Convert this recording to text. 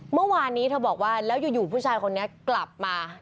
เมื่อวานนี้เธอบอกว่าแล้วอยู่ผู้ชายคนนี้กลับมา